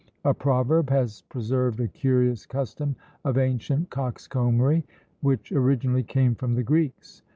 A proverb has preserved a curious custom of ancient coxcombry, which originally came from the Greeks.